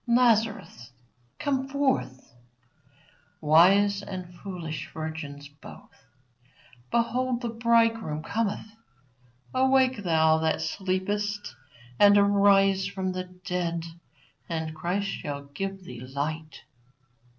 Lazarus! come forth! Wise and foolish virgins both: Behold the Bridegroom cometh! Awake, thou that sleepest, and arise from the dead, and Christ shall give thee light!